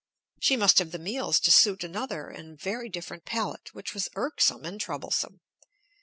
She must have the meals to suit another and very different palate, which was irksome and troublesome.